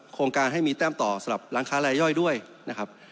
โครงการให้มีแต้มต่อสำหรับร้านค้ารายย่อยด้วยนะครับ